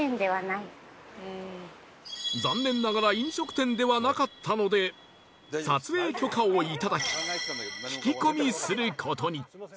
残念ながら飲食店ではなかったので撮影許可をいただき聞き込みする事に